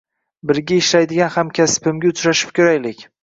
Birga ishlaydigan hamkasbimga uchrashib ko`raylik